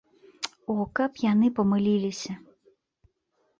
От каб яны памыліліся.